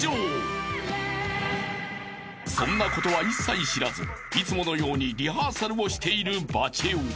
［そんなことは一切知らずいつものようにリハーサルをしているバチェ男］